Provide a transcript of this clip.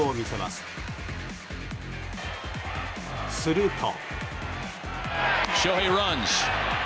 すると。